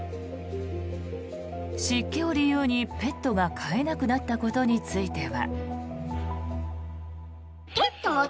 湿気を理由にペットが飼えなくなったことについては。